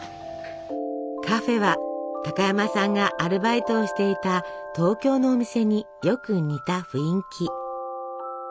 カフェは高山さんがアルバイトをしていた東京のお店によく似た雰囲気。